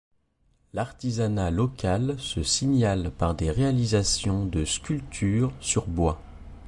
L'artisanat local se signale par des réalisations de sculptures sur bois.